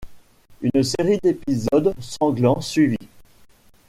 Une série d'épisodes sanglants suivit.